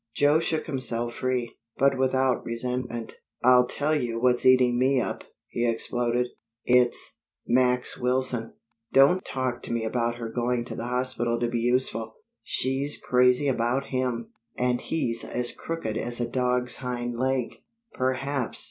Joe shook himself free, but without resentment. "I'll tell you what's eating me up," he exploded. "It's Max Wilson. Don't talk to me about her going to the hospital to be useful. She's crazy about him, and he's as crooked as a dog's hind leg." "Perhaps.